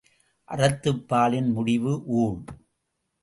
அறத்துப் பாலின் முடிவு ஊழ்!